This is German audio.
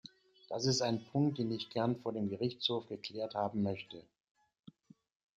Das ist ein Punkt, den ich gern vor dem Gerichtshof geklärt haben möchte.